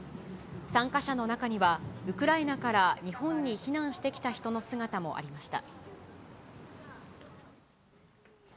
参加者の中には、ウクライナから日本に避難してきた人の姿もありました。